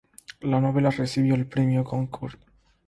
La novela recibió el premio Goncourt.